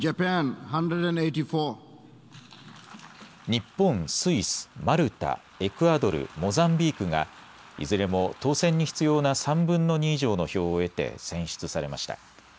日本、スイス、マルタ、エクアドル、モザンビークがいずれも当選に必要な３分の２以上の票を得て選出されました。